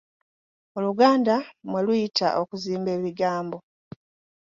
Oluganda mwe luyita okuzimba ebigambo.